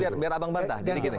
nanti biar abang bantah